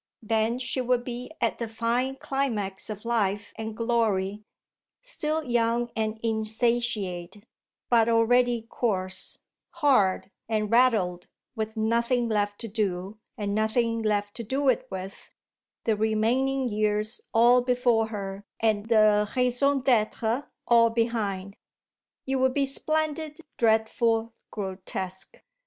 Then she would be at the fine climax of life and glory, still young and insatiate, but already coarse, hard, and raddled, with nothing left to do and nothing left to do it with, the remaining years all before her and the raison d'être all behind. It would be splendid, dreadful, grotesque.